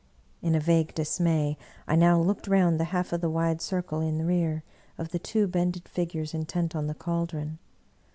In a vague dismay, I now looked round the half of the wide circle in rear of the two bended figures intent on the caldron.